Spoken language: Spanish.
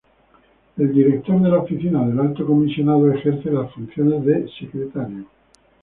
El Director de la Oficina del Alto Comisionado ejerce las funciones de secretario.